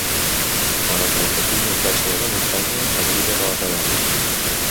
Quan el trencapinyes baixa de la muntanya, abriga't a la cabanya.